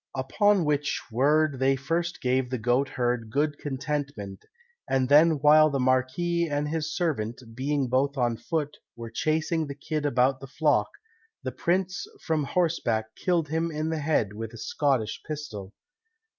Upon which word they first gave the goatherd good contentment, and then while the marquis and his servant, being both on foot, were chasing the kid about the flock, the prince from horseback killed him in the head with a Scottish pistol.